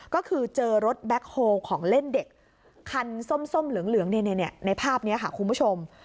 ก็คือเจอรถแบ็คโฮลของเล่นเด็กคันส้มเหลืองในภาพนี้ค่ะคุณผู้ชม